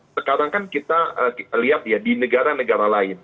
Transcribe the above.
sekarang kan kita lihat ya di negara negara lain